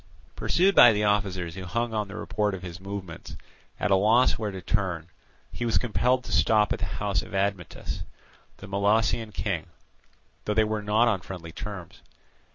Pursued by the officers who hung on the report of his movements, at a loss where to turn, he was compelled to stop at the house of Admetus, the Molossian king, though they were not on friendly terms.